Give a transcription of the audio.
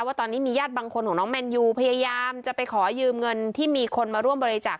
ว่าตอนนี้มีญาติบางคนของน้องแมนยูพยายามจะไปขอยืมเงินที่มีคนมาร่วมบริจาค